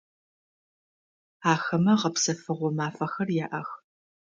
Ахэмэ гъэпсэфыгъо мафэхэр яӏэх.